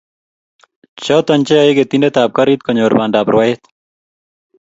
Choto cheyaei ketindetap garit konyor bandap rwaet